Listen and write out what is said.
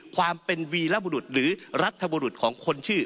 ความเป็นวีรบุรุษหรือรัฐบุรุษของคนชื่อ